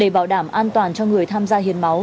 để bảo đảm an toàn cho người tham gia hiến máu